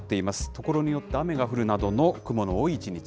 所によって雨が降るなどの雲の多い一日。